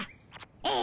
え？